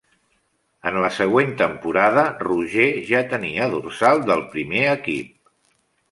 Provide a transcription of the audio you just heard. En la següent temporada, Roger ja tenia dorsal del primer equip.